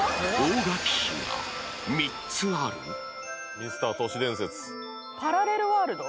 ミスター都市伝説パラレルワールド？